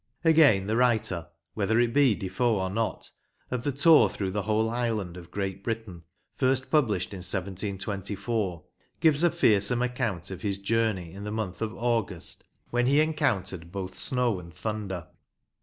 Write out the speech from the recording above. Again, the writer (whether it be Defoe or not) of the Tour Through the Whole Island of Great Britain, first published in 1724, gives a fearsome account of his journey in the month of August, when he encountered both snow and thunder.